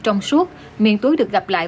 trong suốt miền túi được gặp lại